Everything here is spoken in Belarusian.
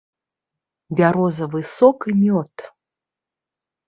Бярозавы сок і мёд.